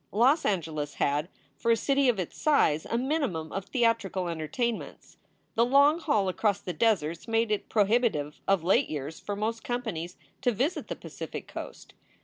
Los Angeles had, for a city of its size, a minimum of theatrical entertainments. The long haul across the deserts made it prohibitive of late years for most companies to visit the Pacific coast.